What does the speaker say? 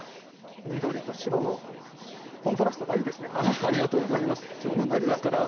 緑と白のコントラストがいいですね。